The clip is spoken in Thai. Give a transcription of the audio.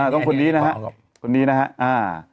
ต้องคนนี้นะฮะ